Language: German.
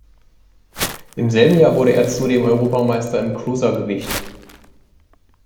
Im selben Jahr wurde er zudem Europameister im Cruisergewicht.